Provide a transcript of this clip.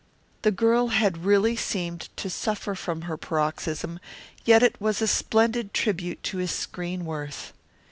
The girl had really seemed to suffer from her paroxysm, yet it was a splendid tribute to his screen worth.